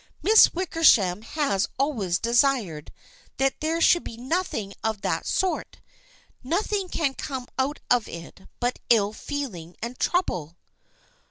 Miss Wickersham has always desired that there should be nothing of that sort. Nothing can come out of it but ill feeling and trouble."